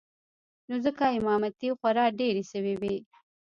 نو ځکه امامتې خورا ډېرې سوې وې.